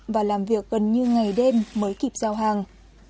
và làm việc gần như ngày đêm mới kịp giao hàng